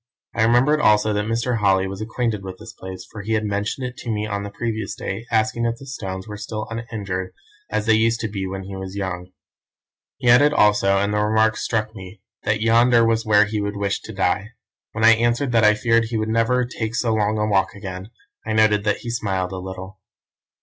"I remembered also that Mr. Holly was acquainted with this place, for he had mentioned it to me on the previous day, asking if the stones were still uninjured as they used to be when he was young. He added also, and the remark struck me, that yonder was where he would wish to die. When I answered that I feared he would never take so long a walk again, I noted that he smiled a little.